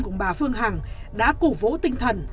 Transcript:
của bà phương hằng đã củ vỗ tinh thần